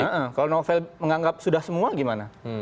nah kalau novel menganggap sudah semua gimana